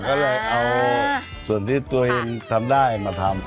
ก็เลยเอาส่วนที่ตัวเองทำได้มาทำ